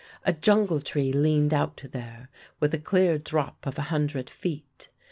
A jungle tree leaned out here, with a clear drop of a hundred feet.